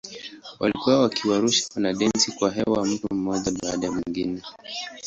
Walikuwa wakiwarusha wanadensi kwa hewa mtu mmoja baada ya mwingine.